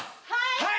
はい。